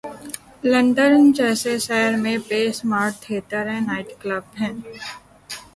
London جیسے شہرمیں بیشمار تھیٹر ہیں‘نائٹ کلب ہیں۔